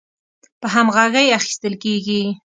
په همغږۍ اخیستل کیږي